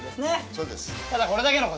そうです。